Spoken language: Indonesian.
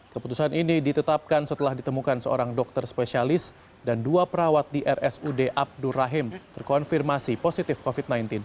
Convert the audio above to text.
keputusan ini ditetapkan setelah ditemukan seorang dokter spesialis dan dua perawat di rsud abdur rahim terkonfirmasi positif covid sembilan belas